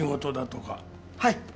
はい。